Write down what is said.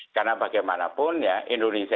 karena bagaimanapun ya indonesia